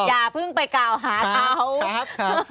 อย่าเพิ่งไปกล่าวหาเขา